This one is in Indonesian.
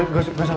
gak usah gak usah